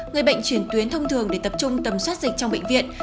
người bệnh chuyển tuyến thông thường để tập trung tầm soát dịch trong bệnh viện